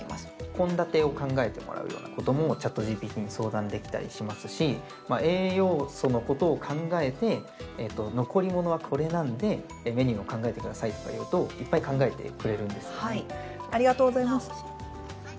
献立を考えてもらうようなこともチャットＧＰＴに相談できたりしますし栄養素のことを考えて残り物はこれなんでメニューを考えてくださいとか言うといっぱい考えてくれるんですよね。